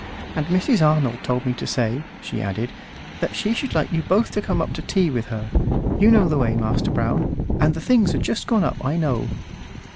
"And Mrs. Arnold told me to say," she added, "that she should like you both to come up to tea with her. You know the way, Master Brown, and the things are just gone up, I know."